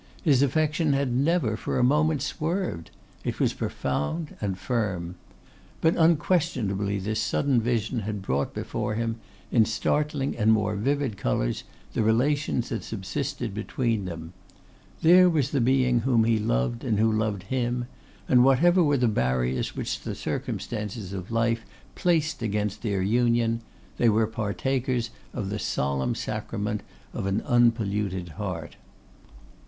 His affection had never for a moment swerved; it was profound and firm. But unquestionably this sudden vision had brought before him, in startling and more vivid colours, the relations that subsisted between them. There was the being whom he loved and who loved him; and whatever were the barriers which the circumstances of life placed against their union, they were partakers of the solemn sacrament of an unpolluted heart.